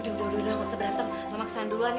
udah udah udah gak usah berantem gak maksahan duluan ya